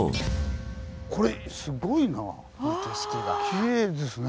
きれいですね。